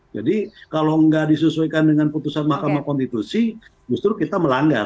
jadi kalau nggak disesuaikan dengan putusan mahkamah konstitusi justru kita melanggar